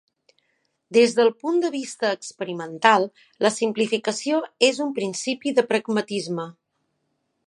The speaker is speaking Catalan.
Des del punt de vista experimental, la simplificació és un principi de pragmatisme.